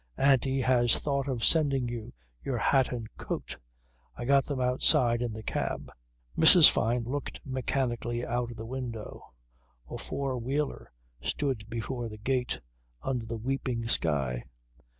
"Auntie has thought of sending you your hat and coat. I've got them outside in the cab." Mrs. Fyne looked mechanically out of the window. A four wheeler stood before the gate under the weeping sky.